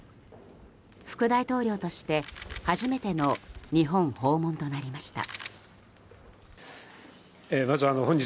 副大統領として、初めての日本訪問となりました。